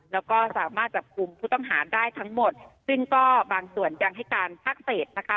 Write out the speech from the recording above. แล้วก็สามารถจับกลุ่มผู้ต้องหาได้ทั้งหมดซึ่งก็บางส่วนยังให้การภาคเศษนะคะ